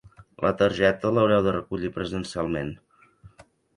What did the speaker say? La targeta l'haureu de recollir presencialment.